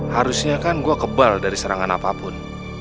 harusnya kan gue kebal dari serangan apapun